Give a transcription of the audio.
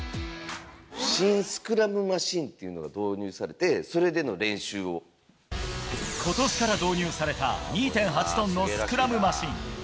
新スクラムマシンっていうのことしから導入された、２．８トンのスクラムマシン。